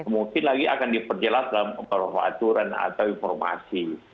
mungkin lagi akan diperjelas dalam peraturan atau informasi